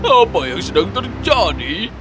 apa yang sedang terjadi